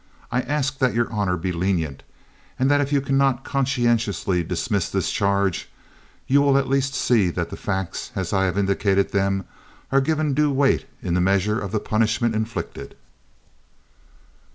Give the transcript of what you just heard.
I ask that your honor be lenient, and that if you cannot conscientiously dismiss this charge you will at least see that the facts, as I have indicated them, are given due weight in the measure of the punishment inflicted."